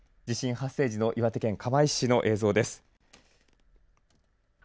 地震発生時の岩手県釜石市の映像です。